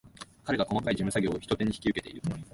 彼が細かい事務作業を一手に引き受けている